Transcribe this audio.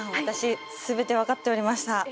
私全て分かっておりました。